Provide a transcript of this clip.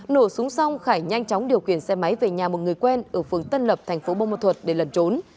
nổ súng xong khải nhanh chóng điều khiển xe máy về nhà một người quen ở phường tân lập thành phố bô ma thuật để lần trốn